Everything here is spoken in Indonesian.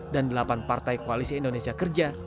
dan delapan partai koalisi indonesia kerja